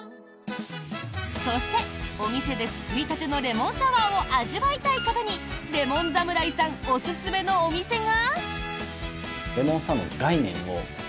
そして、お店で作りたてのレモンサワーを味わいたい方にレモンザムライさんおすすめのお店が。